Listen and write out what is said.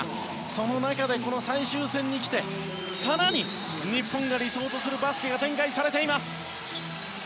その中でこの最終戦に来て更に日本が理想とするバスケが展開されています。